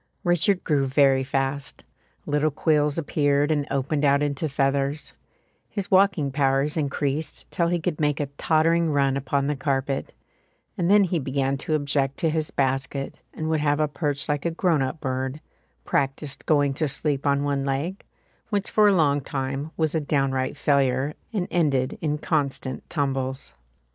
Richard grew very fast; little quills appeared and opened out into feathers; his walking powers increased till he could make a tottering run upon the carpet; and then he began to object to his basket and would have a perch like a grown up bird, practised going to sleep on one leg, which for a long time was a downright failure and ended in constant tumbles.